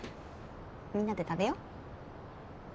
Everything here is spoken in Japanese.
みんなで食べよう。